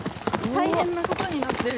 大変なことになってる。